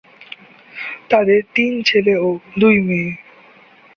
তাদের তিন ছেলে ও দুই মেয়ে।